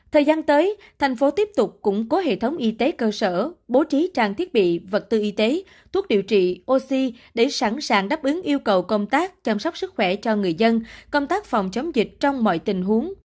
thời gian tới thành phố tiếp tục củng cố hệ thống y tế cơ sở bố trí trang thiết bị vật tư y tế thuốc điều trị oxy để sẵn sàng đáp ứng yêu cầu công tác chăm sóc sức khỏe cho người dân công tác phòng chống dịch trong mọi tình huống